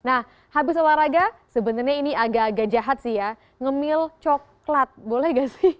nah habis olahraga sebenarnya ini agak agak jahat sih ya ngemil coklat boleh gak sih